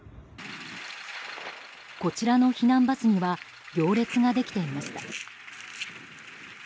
こちらの避難バスには行列ができていました。